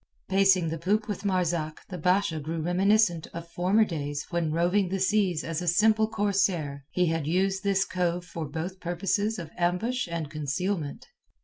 Pacing the poop with Marzak the Basha grew reminiscent of former days when roving the seas as a simple corsair he had used this cove both for purposes of ambush and concealment.